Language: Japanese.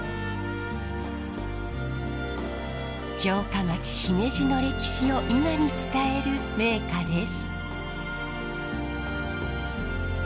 城下町姫路の歴史を今に伝える名菓です。